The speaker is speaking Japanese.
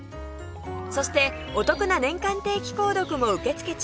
そしてお得な年間定期購読も受け付け中